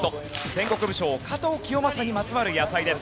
戦国武将加藤清正にまつわる野菜です。